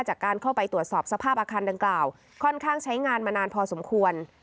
จากการเข้าไปตรวจสอบสภาพอาคารดังกล่าวค่อนข้างใช้งานมานานพอสมควร